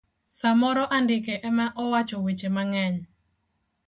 samoro andike emane owacho weche mangeny.